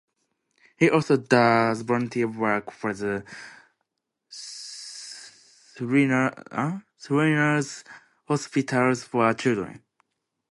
He also does volunteer work for the Shriners Hospitals for Children.